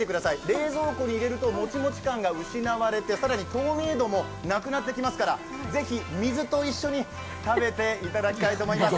冷蔵庫に入れるとモチモチ感が失われて、更に透明度もなくなってきますから、ぜひ水と一緒に食べていただきたいと思います。